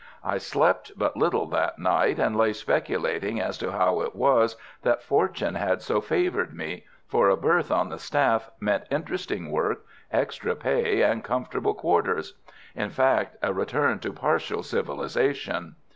I slept but little that night, and lay speculating as to how it was that fortune had so favoured me, for a berth on the Staff meant interesting work, extra pay and comfortable quarters; in fact, a return to partial civilisation.